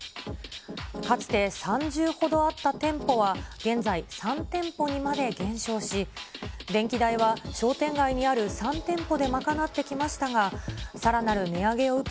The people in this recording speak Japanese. かつて３０ほどあった店舗は現在、３店舗にまで減少し、電気代は商店街にある３店舗で賄ってきましたが、さらなる値上げを受け、